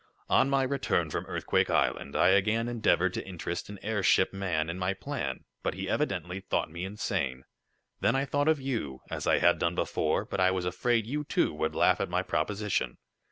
On my return from Earthquake Island, I again endeavored to interest an airship man in my plan, but he evidently thought me insane. Then I thought of you, as I had done before, but I was afraid you, too, would laugh at my proposition.